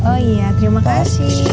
oh iya terima kasih